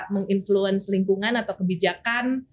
meng influence lingkungan atau kebijakan